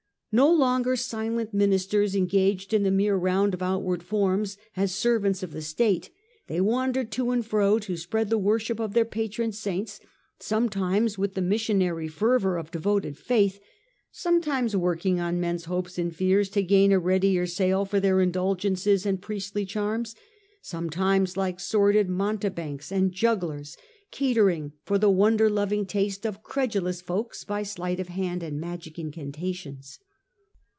No longer silent ministers engaged in the mere round of outward forms as servants of the are encouraged by the reli^ons of the East. State ; they wandered to and fro to spread the worship of their patron saints, sometimes with the missionary fervour of devoted faith, some times working on men^s hopes and fears to gain a readier sale for their indulgences and priestly charms, sometimes like sordid mountebanks and jugglers Forms of V/ or ship Sanctioned by the State. 163 Catering for the wonder loving taste of credulous folks by sleight of hand and magic incantations.